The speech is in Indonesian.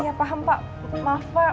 ya paham pak maaf pak